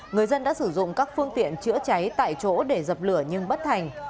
người dân đã sử dụng các phương tiện chữa cháy tại chỗ để dập lửa nhưng bất thành